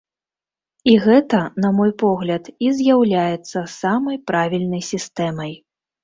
І гэта, на мой погляд, і з'яўляецца самай правільнай сістэмай.